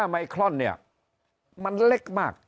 ไมครอนเนี่ยมันเล็กมาก